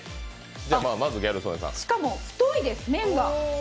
しかも、太いです、麺が。